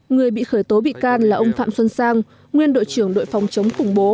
người bị khởi tố bị can là ông phạm xuân sang nguyên đội trưởng đội phòng chống khủng bố